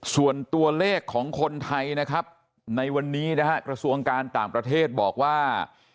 ส่วนตัวเลขของคนไทยนะครับในวันนี้นะฮะกระทรวงการต่างประเทศบอกว่า